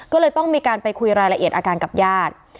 ก็เลยต้องมีการไปคุยรายละเอียดอาการกับญาติ